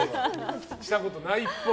したことないっぽい。